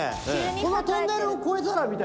このトンネルを越えたらみたいなね。